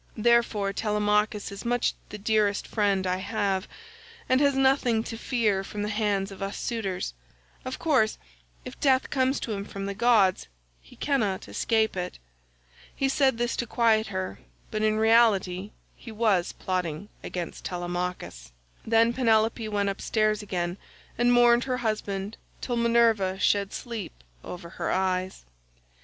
Therefore Telemachus is much the dearest friend I have, and has nothing to fear from the hands of us suitors. Of course, if death comes to him from the gods, he cannot escape it." He said this to quiet her, but in reality he was plotting against Telemachus. Then Penelope went upstairs again and mourned her husband till Minerva shed sleep over her eyes.